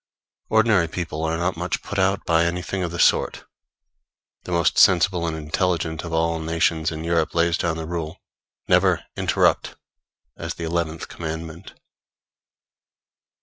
Ordinary people are not much put out by anything of the sort. The most sensible and intelligent of all nations in Europe lays down the rule, Never Interrupt! as the eleventh commandment.